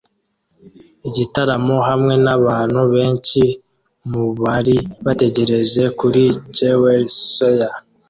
Igitaramo hamwe nabantu benshi mubari bateraniye kuri Jewels Square